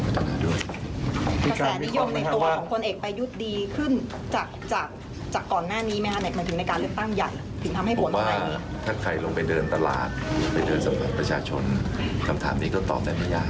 คำถามนี้ก็ตอบได้ในยามนะครับ